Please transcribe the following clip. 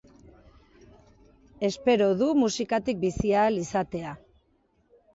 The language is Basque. Espero du musikatik bizi ahal izatea.